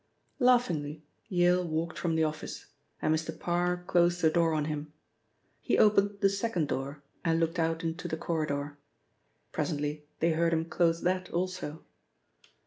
Laughingly Yale walked from the office, and Mr. Parr closed the door on him. He opened the second door, and looked out into the corridor. Presently they heard him close that also.